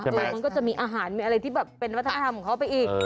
เออมันก็จะมีอาหารมีอะไรที่แบบเป็นวัฒนธรรมของเขาไปอีก